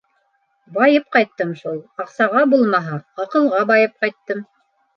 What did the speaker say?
— Байып ҡайттым шул, аҡсаға булмаһа, аҡылға байып ҡайттым.